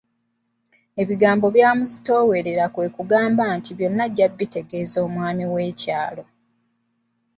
Ebigambo byamuzitoowerera kwe kugamba nti byonna ajja kubitegeeza omwami w'ekyalo.